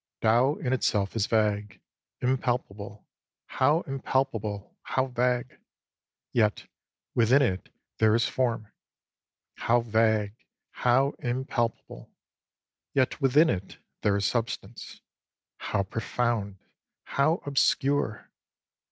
Tao in itself is vague, impalpable, ŌĆö how im palpable, how vague ! Yet within it there is Form. How vague, how impalpable ! Yet within it there is Substance. How profound, how obscure